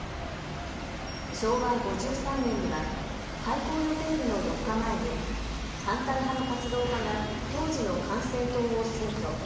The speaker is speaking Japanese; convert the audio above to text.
昭和５３年には開港予定日の４日前に反対派の活動家が当時の管制塔を占拠。